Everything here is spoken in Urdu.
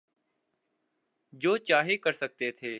جو چاہے کر سکتے تھے۔